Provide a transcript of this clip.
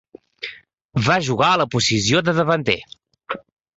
Va jugar en la posició de davanter.